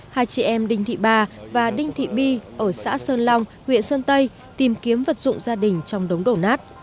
hai chị em đinh thị ba và đinh thị bi ở xã sơn long huyện sơn tây tìm kiếm vật dụng gia đình trong đống đổ nát